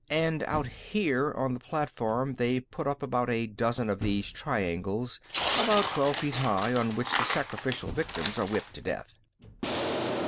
"And out here on the platform, they've put up about a dozen of these triangles, about twelve feet high, on which the sacrificial victims are whipped to death."